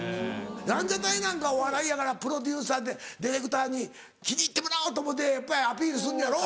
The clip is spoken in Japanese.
ランジャタイなんかお笑いやからプロデューサーディレクターに気に入ってもらおうと思ってやっぱりアピールすんのやろ？